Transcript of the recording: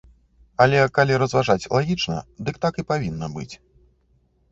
Але, калі разважаць лагічна, дык так і павінна быць.